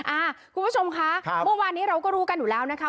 คุณผู้ชมค่ะเมื่อวานนี้เราก็รู้กันอยู่แล้วนะคะ